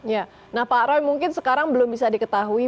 ya nah pak roy mungkin sekarang belum bisa diketahui